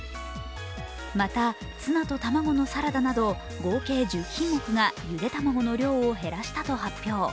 また、ツナと玉子のサラダなど合計１０品目がゆで卵の量を減らしたと発表。